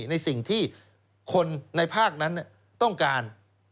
ในสิ่งที่คนในภาคนั้นต้องการ